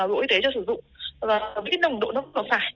đủ y tế cho sử dụng và biết nồng độ nó có phải